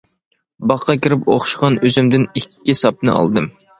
باغقا كىرىپ ئوخشىغان ئۈزۈمدىن ئىككى ساپنى ئالدىم.